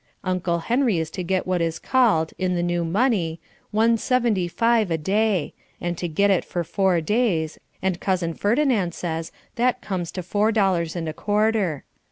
Uncle Henry is to get what is called, in the new money, one seventy five a day, and to get it for four days, and Cousin Ferdinand says that comes to four dollars and a quarter.